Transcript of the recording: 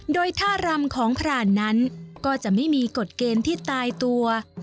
โดยท่ารำของพรานนั้นก็จะไม่มีกฎเกณฑ์ที่ตายตัว